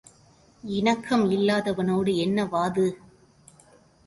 இணக்கம் இல்லாதவனோடு என்ன வாது?